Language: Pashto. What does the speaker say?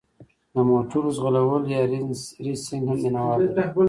د موټرو ځغلول یا ریسینګ هم مینه وال لري.